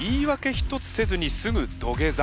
一つせずにすぐ土下座。